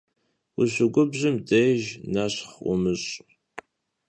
Vuşıgubjım dêjj neşxh vumış'.